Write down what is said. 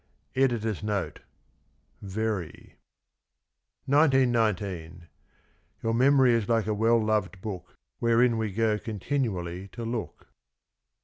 (Editor's Note. — Very.) 1919. " Your memory is like a well loved book Wherein we go continually to look."